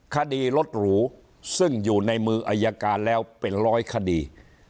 คดีรถหรูซึ่งอยู่ในมืออายการแล้วเป็นร้อยคดี